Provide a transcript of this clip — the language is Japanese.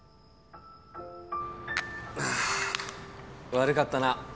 あー悪かったな。